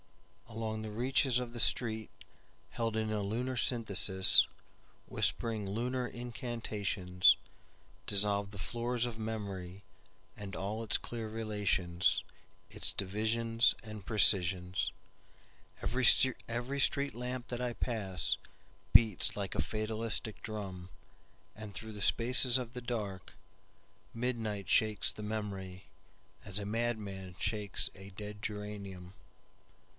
Along the reaches of the streetHeld in a lunar synthesis, Whispering lunar incantationsDissolve the floors of memoryAnd all its clear relationsIts divisions and precisions, Every street lamp that I passBeats like a fatalistic drum, And through the spaces of the darkMidnight shakes the memoryAs a madman shakes a dead geranium.